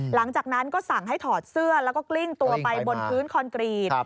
หลังจากนั้นก็สั่งให้ถอดเสื้อแล้วก็กลิ้งตัวไปบนพื้นคอนกรีต